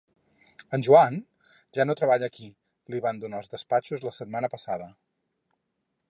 El Joan? Ja no treballa aquí. Li van donar els despatxos la setmana passada.